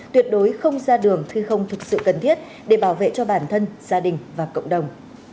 tuyệt đối không ra đường khi không thực sự cần thiết để bảo vệ cho bản thân gia đình và cộng đồng